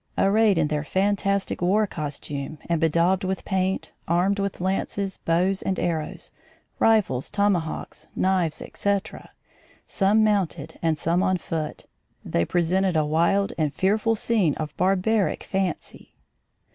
Arrayed in their fantastic war costume and bedaubed with paint, armed with lances, bows and arrows, rifles, tomahawks, knives, etc., some mounted and some on foot, they presented a wild and fearful scene of barbaric fancy.